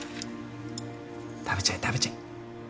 食べちゃえ食べちゃえ。